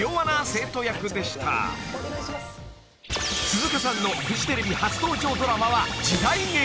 ［鈴鹿さんのフジテレビ初登場ドラマは時代劇］